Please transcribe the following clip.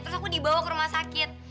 terus aku dibawa ke rumah sakit